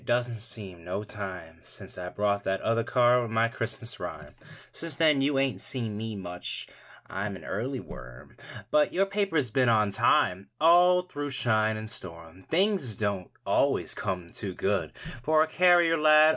Doesn't seem no time Since I brought that other card With my Christmas rhyme. Since then you ain't seen me much ; I'm an early worm. But your paper's been on time All through shine and storm. Things don't always come too good For a carrier lad.